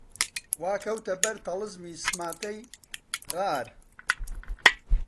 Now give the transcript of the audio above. وا کەوتە بەر تەڵەزمی سماتەی غار